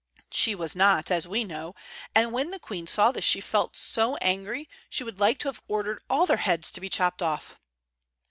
She was not, as we know, and when the queen saw this she felt so angry she would like to have ordered all their heads to be chopped off.